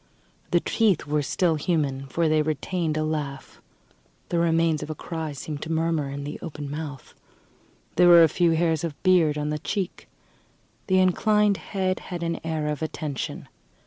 The teeth were still human, for they retained a laugh. The remains of a cry seemed to murmur in the open mouth. There were a few hairs of beard on the cheek. The inclined head had an air of attention.